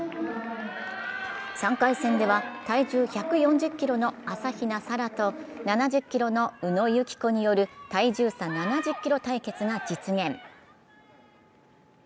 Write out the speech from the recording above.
３回戦では体重１４０ｋｇの朝比奈沙羅と７０ｋｇの宇野友紀子による体重差７０ｋｇ対決が実現。